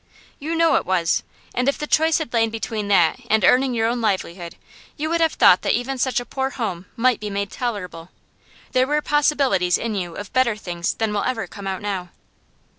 'You know it was. And if the choice had lain between that and earning your own livelihood you would have thought that even such a poor home might be made tolerable. There were possibilities in you of better things than will ever come out now.